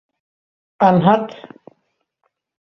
Анһат!